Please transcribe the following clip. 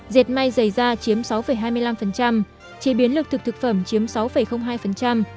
dệt may dày da chế biến lực thực thực phẩm